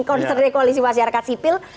konser dari koalisi masyarakat sipil